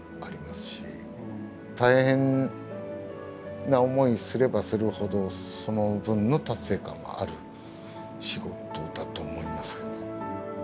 大変な思いすればするほどその分の達成感はある仕事だと思いますけど。